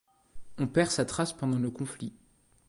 On perd sa trace pendant le conflit.